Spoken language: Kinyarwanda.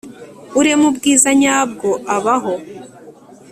Urema ubwiza nyabwo abaho